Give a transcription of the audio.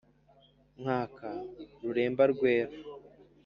nkanka ruremba rwera